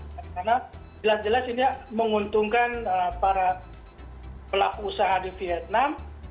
karena jelas jelas ini menguntungkan para pelaku usaha di vietnam